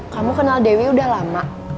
kamu kenal dewi udah lama